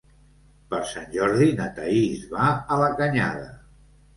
Per Sant Jordi na Thaís va a la Canyada.